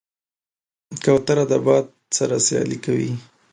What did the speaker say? کوتره د باد سره سیالي کوي.